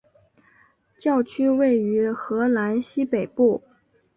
教区位于荷兰西北部。